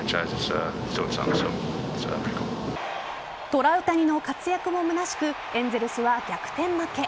トラウタニの活躍もむなしくエンゼルスは逆転負け。